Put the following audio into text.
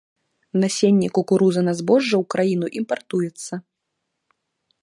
Насенне кукурузы на збожжа ў краіну імпартуецца.